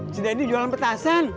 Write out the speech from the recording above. si dedy jualan petasan